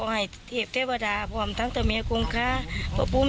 ก็ได้ทำพิธีที่พวกเขาคิดว่าจะสามารถช่วยให้ลูกหลานของเขากลับมาอย่างปลอดภัยครับ